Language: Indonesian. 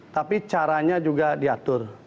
tapi caranya juga diatur